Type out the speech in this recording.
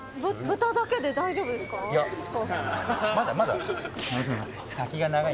「豚だけで大丈夫ですか？」じゃない。